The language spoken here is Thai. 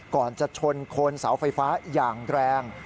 ก่อนจะชนโคนเสาไฟฟ้าอย่างแรง